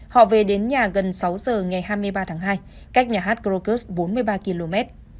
họ về đến nhà gần sáu giờ ngày hai mươi ba tháng hai cách nhà hát krokus bốn mươi ba km